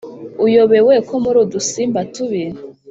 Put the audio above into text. uyobewe ko muri udusimba tubi,